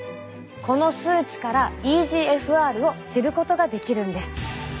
この数値からｅＧＦＲを知ることができるんです。